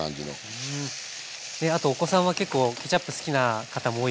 あとお子さんは結構ケチャップ好きな方も多いから。